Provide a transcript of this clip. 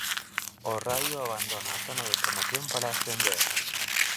O Raio abandona a zona de promoción para ascender.